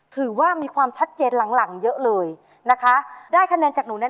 ถือว่ามีความชัดเจนหลังหลังเยอะเลยนะคะได้คะแนนจากหนูแน